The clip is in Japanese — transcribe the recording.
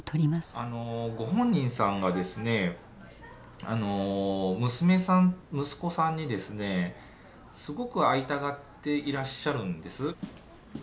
あのご本人さんがですね娘さん息子さんにですねすごく会いたがっていらっしゃるんです。